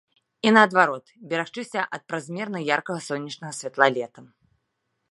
І наадварот, берагчыся ад празмерна яркага сонечнага святла летам.